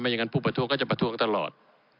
ไม่อย่างนั้นผู้ประทุกข์ก็จะประทุกข์ตลอด